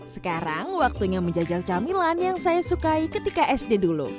sekarang waktunya menjajal camilan yang saya sukai ketika sd dulu